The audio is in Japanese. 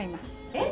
えっ？